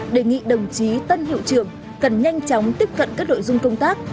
đề nghị đồng chí tân hiệu trường cần nhanh chóng tiếp cận các đội dung công tác